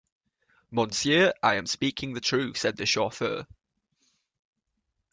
"Monsieur, I am speaking the truth," said the chauffeur.